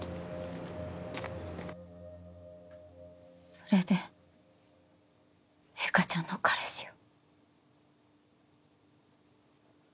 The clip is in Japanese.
それで零花ちゃんの彼氏を？